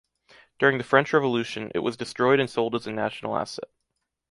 During the French Revolution, it was destroyed and sold as a national asset.